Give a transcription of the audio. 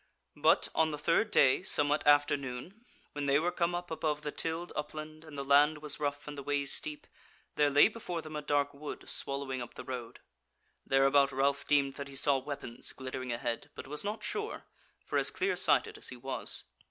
But on the third day, somewhat after noon, when they were come up above the tilled upland and the land was rough and the ways steep, there lay before them a dark wood swallowing up the road. Thereabout Ralph deemed that he saw weapons glittering ahead, but was not sure, for as clear sighted as he was.